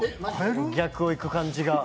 逆を行く感じが。